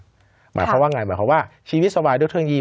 หมายความว่าไงหมายความว่าชีวิตสบายด้วยเทคโนโลยี